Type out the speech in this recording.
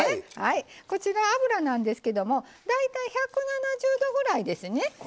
こちら油なんですけども大体１７０℃ぐらいですね。